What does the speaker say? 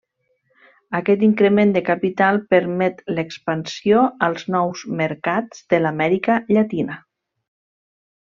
Aquest increment de capital permet l'expansió als nous mercats de l'Amèrica Llatina.